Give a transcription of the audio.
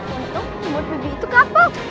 untuk membuat bibi itu kapok